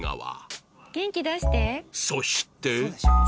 そして